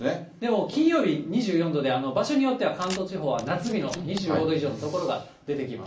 もう金曜日、２４度で、場所によっては、関東地方は夏日の２５度以上の所が出てきます。